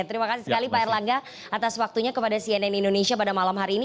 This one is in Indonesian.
terima kasih sekali pak erlangga atas waktunya kepada cnn indonesia pada malam hari ini